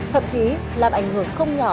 thậm chí làm ảnh hưởng không nhỏ